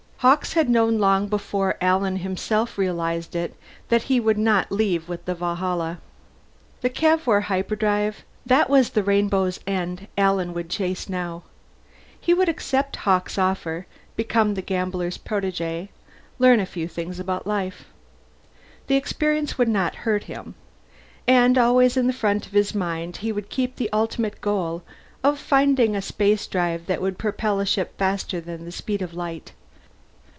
Hawkes had known long before Alan himself realized it that he would not leave with the Valhalla. The Cavour Hyperdrive, that was the rainbow's end Alan would chase now. He would accept Hawkes' offer, become the gambler's protege, learn a few thing about life. The experience would not hurt him. And always in the front of his mind he would keep the ultimate goal, of finding a spacedrive that would propel a ship faster than the speed of light.